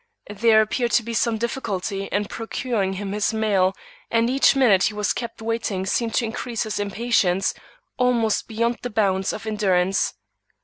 There appeared to be some difficulty in procuring him his mail, and each minute he was kept waiting seemed to increase his impatience almost beyond the bounds of endurance.